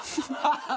ハハハハ！